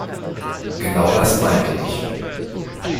Genau das meinte ich.